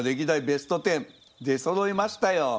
ベスト１０出そろいましたよ。